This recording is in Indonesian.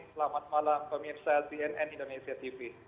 selamat malam pemirsa cnn indonesia tv